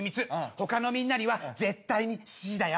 他のみんなには絶対にシーッだよ。